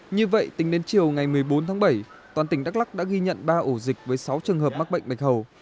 như vậy tính đến chiều ngày một mươi bốn tháng bảy toàn tỉnh đắk lắc đã ghi nhận ba ổ dịch với sáu trường hợp mắc bệnh bạch hầu